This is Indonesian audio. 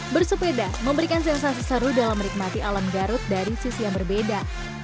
bersepeda memberikan sensasi seru dalam menikmati alam garut dari sisi yang berbeda